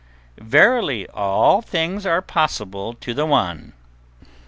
Verily all things are possible to the One!"